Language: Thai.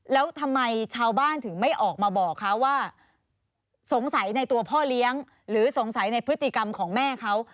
แล้วทำไมชาวบ้านถึงไม่ออกมาบอกคะว่าสงสัยในตัวพ่อเลี้ยงหรือสงสัยในพฤติกรรมของแม่เขา